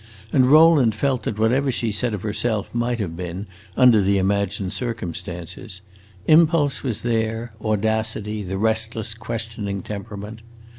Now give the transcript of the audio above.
And Rowland felt that whatever she said of herself might have been, under the imagined circumstances; impulse was there, audacity, the restless, questioning temperament.